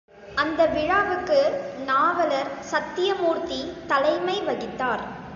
அந்த விழாவுக்கு நாவலர் சத்தியமூர்த்தி தலைமை வகித்தார்.